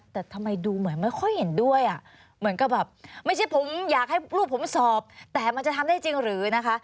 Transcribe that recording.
แต่ทำไมดูเหมือนไม่ค่อยเห็นด้วยอ่ะเหมือนกับแบบไม่ใช่ผมอยากให้ลูกผมสอบแต่มันจะทำได้จริงหรือนะคะ